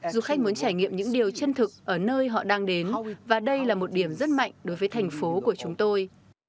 du khách muốn trải nghiệm những điều chân thực ở nơi họ đang đến và đây là một điểm rất mạnh đối với thành phố của chúng tôi